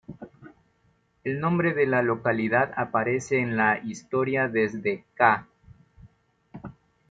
El nombre de la localidad aparece en la historia desde ca.